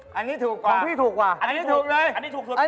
ของพี่ถูกกว่านี่ถูกแล้ว